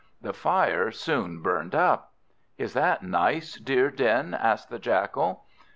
The fire soon burned up. "Is that nice, dear Den?" asked the Jackal.